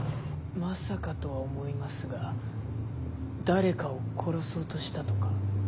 まさかとは思いますが誰かを殺そうとしたとか？